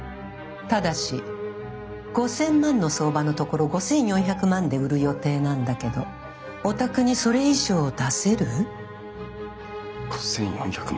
ただし５，０００万の相場のところ５，４００万で売る予定なんだけどおたくにそれ以上出せる？５，４００万！？